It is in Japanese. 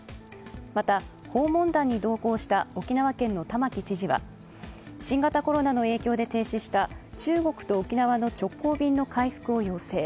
また訪問団に同行した沖縄県の玉城知事は新型コロナの影響で停止した中国と沖縄の直行便の回復を要請。